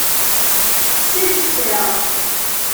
Sellket-aɣ.